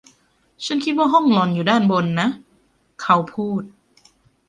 “ฉันคิดว่าห้องหล่อนอยู่ด้านบนนะ” เขาพูด